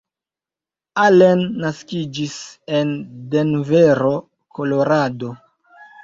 Allen naskiĝis en Denvero, Kolorado.